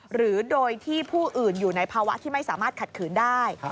หรือโดยที่ผู้อื่นอยู่ในภาวะที่ไม่สามารถขัดขืนได้